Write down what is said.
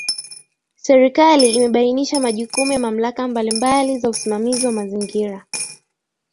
Serikali imebainisha majukumu ya mamlaka mbali mbali za usimamizi wa mazingira